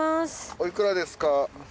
おいくらですか？